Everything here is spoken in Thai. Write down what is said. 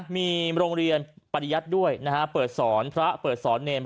มีโรงเรียนปฏิยัติด้วยเปิดศรพระเปิดศรเนรนด์